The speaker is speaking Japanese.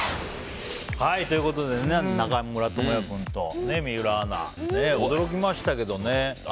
中村倫也君と水卜アナ驚きましたけどね。